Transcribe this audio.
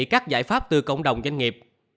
các giải pháp từ cộng đồng doanh nghiệp